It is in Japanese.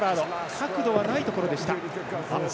角度はないところでした。